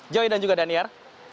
joy dan juga daniar